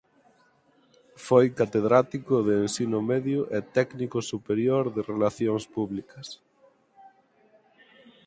Foi catedrático de ensino medio e Técnico Superior de Relacións Públicas.